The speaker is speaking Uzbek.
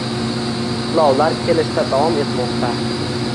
Qutlovlar kelishda davom etmoqda